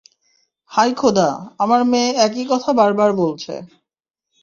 হায় খোদা, আমার মেয়ে একই কথা বার বার বলছে।